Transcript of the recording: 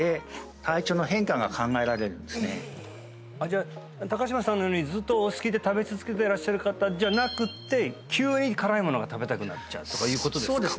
じゃあ高島さんのようにずっとお好きで食べ続けてらっしゃる方じゃなくって急に辛いものが食べたくなっちゃうとかいうことですか？